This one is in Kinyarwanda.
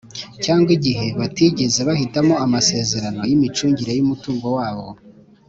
cyangwa igihe batigeze bahitamo amasezerano y’imicungire y’umutungo wabo,